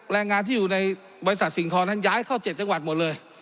แรงงานที่อยู่ในบริษัทสิ่งทองนั้นย้ายเข้า๗จังหวัดหมดเลย